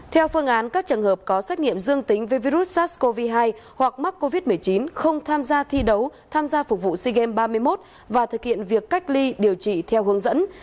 theo phương án các trường hợp có xét nghiệm dương tính với virus sars cov hai hoặc mắc covid một mươi chín không tham gia thi đấu tham gia phục vụ sea games ba mươi một và thực hiện việc cách ly điều trị theo hướng dẫn